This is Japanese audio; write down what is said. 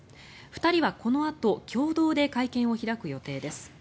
２人は、このあと共同で会見を開く予定です。